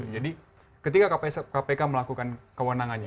jadi ketika kpk melakukan kewenangan itu